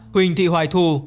huỳnh thị hoài thù